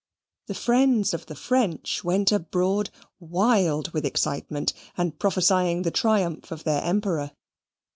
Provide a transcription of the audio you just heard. The friends of the French went abroad, wild with excitement, and prophesying the triumph of their Emperor.